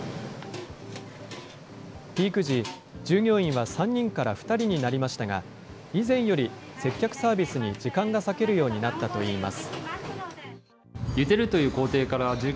ピーク時、従業員は３人から２人になりましたが、以前より接客サービスに時間が割けるようになったといいます。